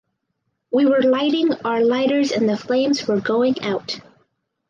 We were lighting our lighters and the flames were going out.